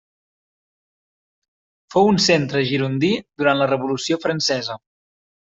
Fou un centre girondí durant la Revolució Francesa.